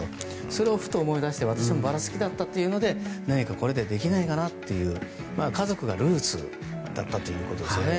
それを、ふと思い出して私もバラ好きだったということで何かこれでできないかなという家族がルーツだったということですね